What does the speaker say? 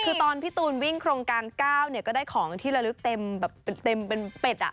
คือตอนพี่ตูนวิ่งโครงการก้าวเนี่ยก็ได้ของที่เรารึกเต็มแบบเป็นเป็ดอ่ะ